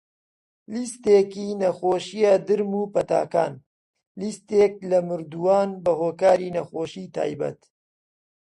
لیستێکی نەخۆشیە درم و پەتاکان - لیستێک لە مردووان بەهۆکاری نەخۆشی تایبەت.